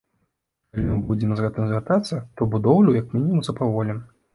Калі мы будзем з гэтым звяртацца, то будоўлю, як мінімум, запаволім.